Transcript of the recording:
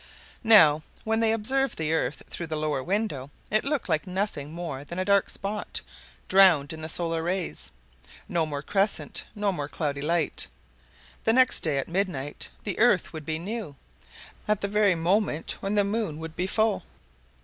Now when they observed the earth through the lower window, it looked like nothing more than a dark spot, drowned in the solar rays. No more crescent, no more cloudy light! The next day, at midnight, the earth would be new, at the very moment when the moon would be full.